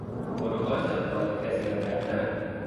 مراعات حال کسی را کردن